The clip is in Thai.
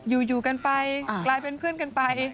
อยู่กันไปกลายเป็นเพื่อนกันไป